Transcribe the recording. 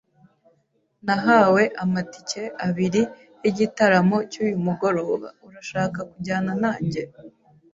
Nahawe amatike abiri yigitaramo cyuyu mugoroba. Urashaka kujyana nanjye?